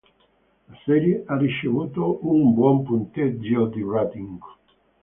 La serie ha ricevuto un buon punteggio di rating.